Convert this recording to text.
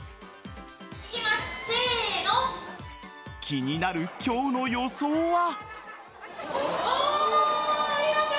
気になる今日の予想は。